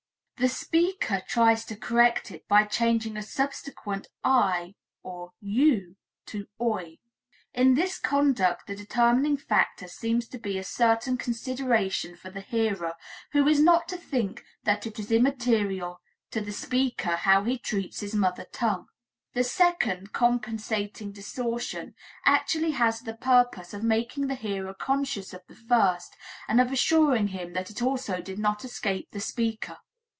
The speaker tries to correct it by changing a subsequent "ei" or "eu" to "oi." In this conduct the determining factor seems to be a certain consideration for the hearer, who is not to think that it is immaterial to the speaker how he treats his mother tongue. The second, compensating distortion actually has the purpose of making the hearer conscious of the first, and of assuring him that it also did not escape the speaker.